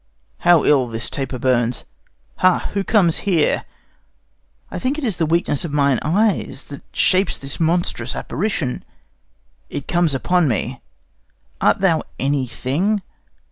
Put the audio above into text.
How ill this taper burns! Ha! who comes here? I think it is the weakness of mine eyes That shapes this monstrous apparition. It comes upon me. Art thou any thing?